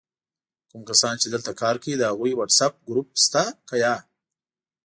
کوم کسان چې دلته کار کوي د هغوي وټس آپ ګروپ سته که یا؟!